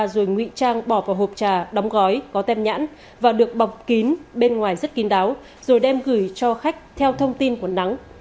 rồi ngụy trang bỏ vào hộp trà đóng gói có tem nhãn và được bọc kín bên ngoài rất kín đáo rồi đem gửi cho khách theo thông tin của nắng